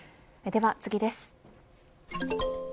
では次です。